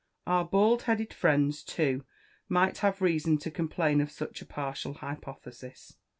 Our bald headed friends, too, might have reason to complain of such a partial hypothesis.